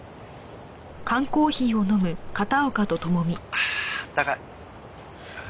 あああったかい。